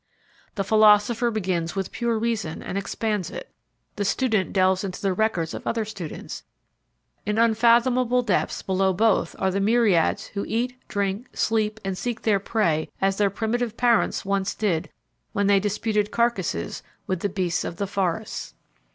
The philosopher begins with pure reason and expands it; the student delves into the records of other students; in unfathomable depths below both are the myriads who eat, drink, sleep and seek their prey as their primitive parents once did when they disputed carcasses with the beasts of the forests.